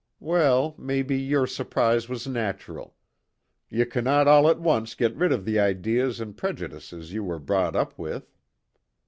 Weel, maybe your surprise was natural. Ye cannot all at once get rid of the ideas and prejudices ye were brought up with."